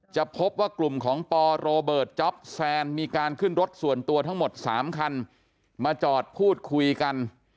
จะพบว่ากลุ่มของปโรเบิร์ตจ๊อปแซนมีการขึ้นรถส่วนตัวทั้งหมด๓คันมาจอดพูดคุยกัน